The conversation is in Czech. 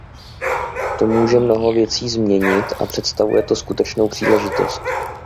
To může mnoho věcí změnit a představuje to skutečnou příležitost.